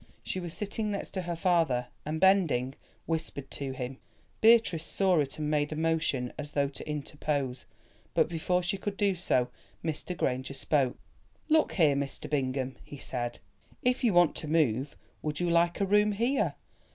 She was sitting next her father, and bending, whispered to him. Beatrice saw it and made a motion as though to interpose, but before she could do so Mr. Granger spoke. "Look here, Mr. Bingham," he said, "if you want to move, would you like a room here?